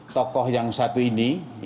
tokoh yang satu ini